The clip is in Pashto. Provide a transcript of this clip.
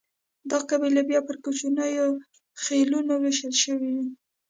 دا قبیلې بیا پر کوچنیو خېلونو وېشل شوې دي.